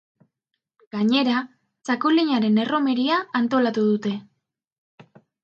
Gainera, txakolinaren erromeria antolatu dute.